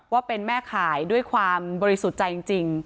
ว่าเป็นแม่ขายด้วยความบริสุทธิ์ใจจริง